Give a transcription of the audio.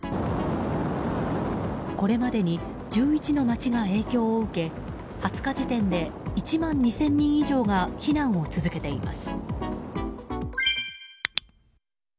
これまでに１１の町が影響を受け２０日時点で１万２０００人以上が避難を続けています。